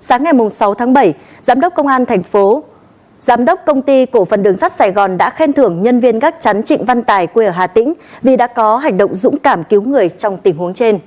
sáng ngày sáu tháng bảy giám đốc công an thành phố giám đốc công ty cổ phần đường sắt sài gòn đã khen thưởng nhân viên gác chắn trịnh văn tài quê ở hà tĩnh vì đã có hành động dũng cảm cứu người trong tình huống trên